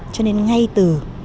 cho nên ngay từ